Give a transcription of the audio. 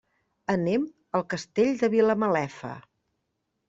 Anem al Castell de Vilamalefa.